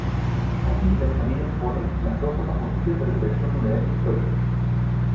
Aquí Benjamin expone las dos formas posibles de recuperación de un evento histórico.